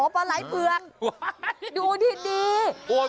ปอะไหล่